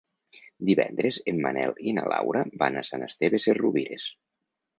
Divendres en Manel i na Laura van a Sant Esteve Sesrovires.